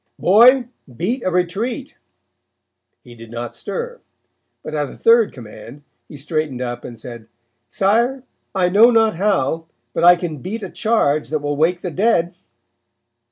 'Boy, beat a retreat.' He did not stir, but at a third command, he straightened up and said: 'Sire, I know not how, but I can beat a charge that will wake the dead.'